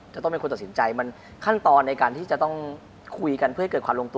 จะต้องเป็นคนตัดสินใจมันขั้นตอนในการที่จะต้องคุยกันเพื่อให้เกิดความลงตัว